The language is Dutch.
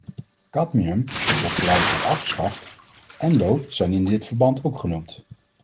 Cadmium, dat geleidelijk wordt afgeschaft, en lood zijn in dit verband ook genoemd.